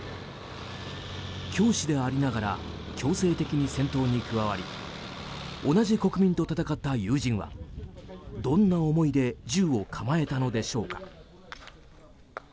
教師でありながら強制的に戦闘に加わり同じ国民と戦った友人はどんな思いで銃を構えたのでしょうか。